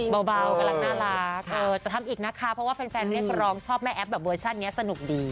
เบากำลังน่ารักจะทำอีกนะคะเพราะว่าแฟนเรียกร้องชอบแม่แอฟแบบเวอร์ชันนี้สนุกดี